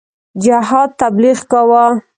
جهاد تبلیغ کاوه.